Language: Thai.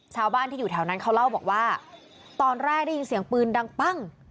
ชาวบ้านที่อยู่แถวนั้นเขาเล่าบอกว่าตอนแรกได้ยินเสียงปืนดังปั้ง